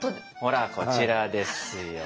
ほらこちらですよ。